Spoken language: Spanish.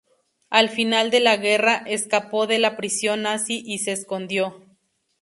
Al final de la guerra, escapó de la prisión nazi y se escondió.